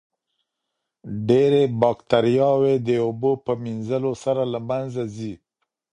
ډېرې باکتریاوې د اوبو په مینځلو سره له منځه ځي.